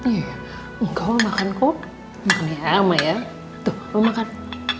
iya engkau makan kok makan ya sama ya tuh rumah makan